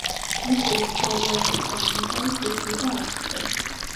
ტიპური ფსორიაზული გამონაყარი შეიძლება არც იყოს.